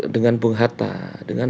dengan bung hatta dengan